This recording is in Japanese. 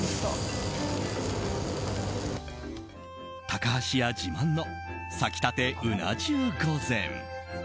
高橋屋自慢の割きたてうな重御膳。